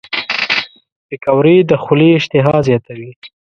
پکورې د خولې اشتها زیاتوي